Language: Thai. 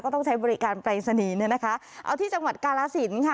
ต้องใช้บริการปรายศนีย์เนี่ยนะคะเอาที่จังหวัดกาลสินค่ะ